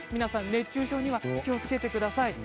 熱中症には気をつけてください。